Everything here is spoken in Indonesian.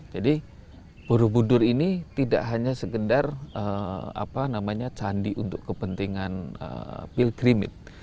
jadi buru buru ini tidak hanya sekedar candi untuk kepentingan pilgrimage